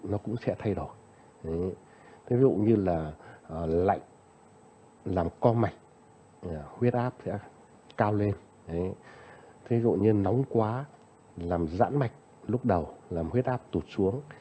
nó cũng sẽ thay đổi ví dụ như là lạnh làm co mạch huyết áp sẽ cao lên thí dụ như nóng quá làm giãn mạch lúc đầu làm huyết áp tụt xuống